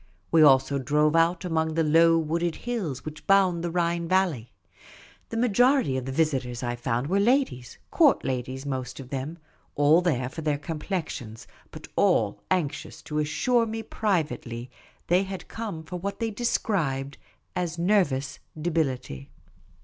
We also drove out among the low wooded hills which bound the Rhine valley. The majority of the visitors, I found, were ladies — Court ladies, most of them ; all there for their complexions, but all anxious to assure me privately they had come for what they described as '' nervous debility."